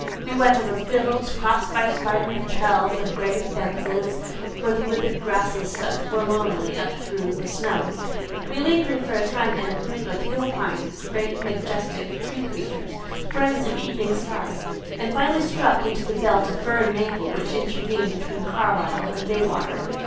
We went over fields, crossed by spidery trails of gray fences, where the withered grasses stuck forlornly up through the snow; we lingered for a time in a group of hill pines, great, majestic tree creatures, friends of evening stars; and finally struck into the belt of fir and maple which intervened between Carlisle and Baywater.